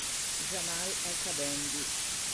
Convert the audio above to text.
Jamal Al-Qabendi